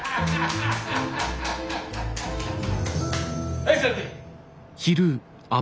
はい座って！